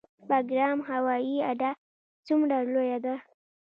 بګرام هوایي اډه څومره لویه ده؟